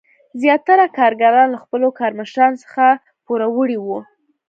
زیاتره کارګران له خپلو کارمشرانو څخه پوروړي وو.